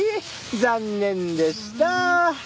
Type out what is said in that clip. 残念でした！